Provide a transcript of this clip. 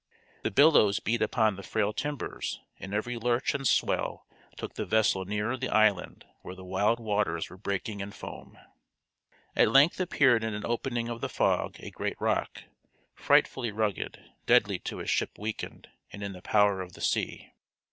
The billows beat upon the frail timbers and every lurch and swell took the vessel nearer the island where the wild waters were breaking in foam. At length appeared in an opening of the fog a great rock, frightfully rugged, deadly to a ship weakened and in the power of the sea.